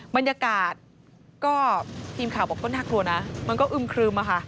บรรยากาศก็ทีมข่าวบอกก็น่ากลัวนะมันก็อึมครึมอะค่ะ